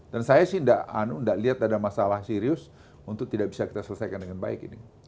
dan saya sih tidak lihat ada masalah serius untuk tidak bisa kita selesaikan dengan baik